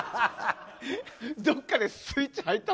どこかでスイッチ入った？